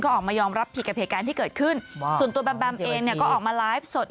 ออกมายอมรับผิดกับเหตุการณ์ที่เกิดขึ้นส่วนตัวแบมแบมเองเนี่ยก็ออกมาไลฟ์สด